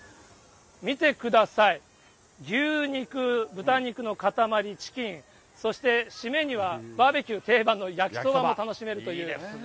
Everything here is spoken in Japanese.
見てください、牛肉、豚肉の塊、チキン、そしてしめにはバーベキュー定番の焼きそばも楽しめるという。